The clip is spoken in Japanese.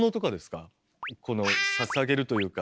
このささげるというか。